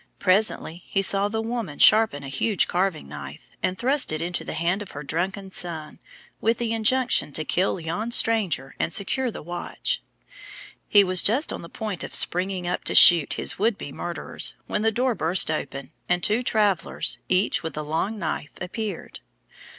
Presently he saw the woman sharpen a huge carving knife, and thrust it into the hand of her drunken son, with the injunction to kill yon stranger and secure the watch. He was just on the point of springing up to shoot his would be murderers, when the door burst open, and two travellers, each with a long knife, appeared.